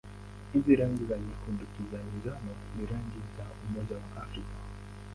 Hizi rangi za nyekundu-kijani-njano ni rangi za Umoja wa Afrika.